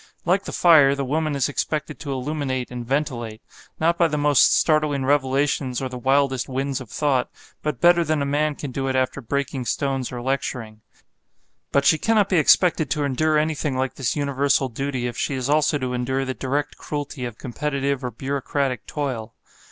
Like the fire, the woman is expected to illuminate and ventilate, not by the most startling revelations or the wildest winds of thought, but better than a man can do it after breaking stones or lecturing. But she cannot be expected to endure anything like this universal duty if she is also to endure the direct cruelty of competitive or bureaucratic toil.